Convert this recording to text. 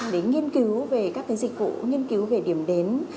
để nghiên cứu về các cái dịch vụ nghiên cứu về điểm đến